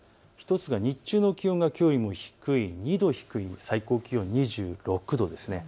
１つは日中の気温がきょうよりも２度低い、最高気温２６度です。